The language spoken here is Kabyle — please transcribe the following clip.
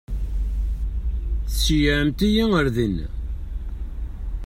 Ceyyɛemt-iyi ar dina.